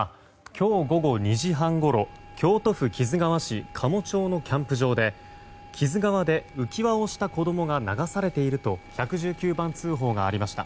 今日午後２時半ごろ京都府木津川市加茂町のキャンプ場で木津川で浮き輪をした子供が流されていると１１９番通報がありました。